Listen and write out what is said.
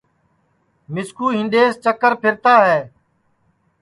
مِسکُو ہِنڈؔیس چکر پھرتا ہے